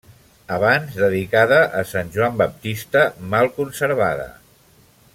Abans dedicada a sant Joan Baptista, mal conservada.